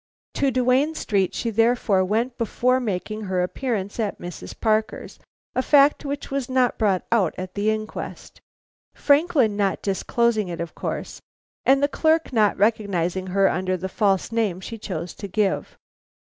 To Duane Street she therefore went before making her appearance at Mrs. Parker's; a fact which was not brought out at the inquest; Franklin not disclosing it of course, and the clerk not recognizing her under the false name she chose to give.